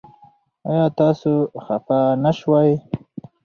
ایا تاسو خفه نه شوئ؟